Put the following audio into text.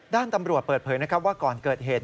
ด้านตำรวจเปิดเผยนะครับว่าก่อนเกิดเหตุ